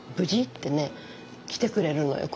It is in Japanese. ってね来てくれるのよ。